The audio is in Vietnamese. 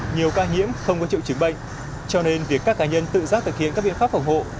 nhiều ca nhiễm không có triệu chứng bệnh cho nên việc các cá nhân tự giác thực hiện các biện pháp phòng hộ